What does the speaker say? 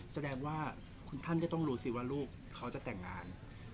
แสดงว่าคุณท่านก็ต้องรู้สิว่าลูกเขาจะแต่งงาน